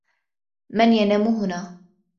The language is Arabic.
من ينام هنا؟